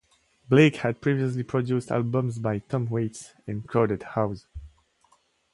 Blake had previously produced albums by Tom Waits and Crowded House.